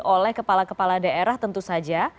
oleh kepala kepala daerah tentu saja